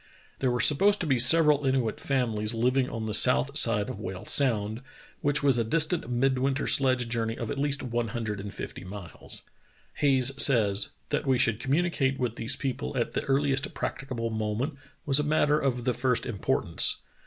There were supposed to be several Inuit families liv ing on the south side of Whale Sound, which was dis tant a midwinter sledge journey of at least one hundred and fifty miles. Hayes says: "That we should com municate with these people at the earliest practicable moment was a matter of the first importance.